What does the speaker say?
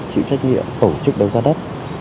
chịu trách nhiệm tổ chức đầu giá đất